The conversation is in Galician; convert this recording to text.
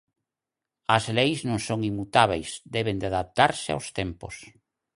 As leis non son inmutábeis, deben de adaptarse aos tempos.